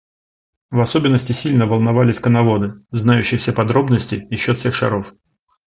В особенности сильно волновались коноводы, знающие все подробности и счет всех шаров.